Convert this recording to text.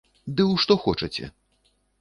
Ды ў што хочаце.